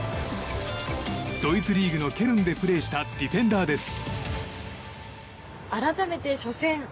ドイツリーグのケルンでプレーしたディフェンダーです。